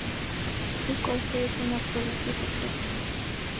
Su coste es un absoluto secreto.